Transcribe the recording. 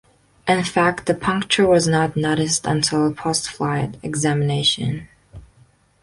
In fact, the puncture was not noticed until postflight examination.